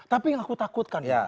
tapi yang aku takutkan